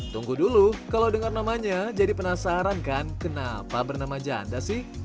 tunggu dulu kalau dengar namanya jadi penasaran kan kenapa bernama janda sih